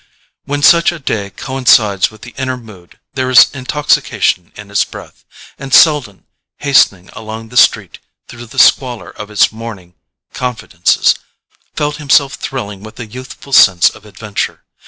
When such a day coincides with the inner mood there is intoxication in its breath; and Selden, hastening along the street through the squalor of its morning confidences, felt himself thrilling with a youthful sense of adventure.